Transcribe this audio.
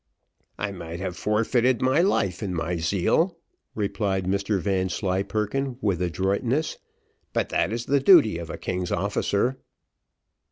"I might have forfeited my life in my zeal," replied Mr Vanslyperken, with adroitness; "but that is the duty of a king's officer."